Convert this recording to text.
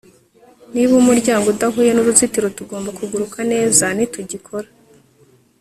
niba umuryango udahuye nuruzitiro, tugomba kuguruka neza nitugikora